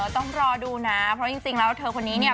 ต้องรอดูนะเพราะจริงแล้วเธอคนนี้เนี่ย